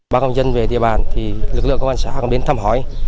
bác công dân về địa bàn thì lực lượng công an xã cũng đến thăm hỏi